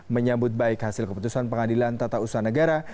menyambut baik hasil keputusan pengadilan tata usaha negara